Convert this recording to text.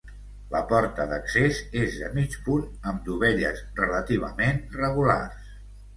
La porta d'accés és de mig punt amb dovelles relativament regulars.